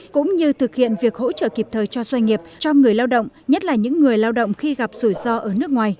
cũng như thực hiện việc hỗ trợ kịp thời cho doanh nghiệp cho người lao động nhất là những người lao động khi gặp rủi ro ở nước ngoài